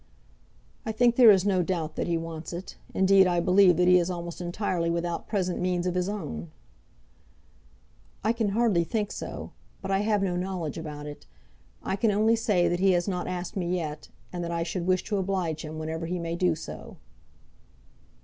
"I think there is no doubt that he wants it. Indeed, I believe that he is almost entirely without present means of his own." "I can hardly think so; but I have no knowledge about it. I can only say that he has not asked me yet, and that I should wish to oblige him whenever he may do so."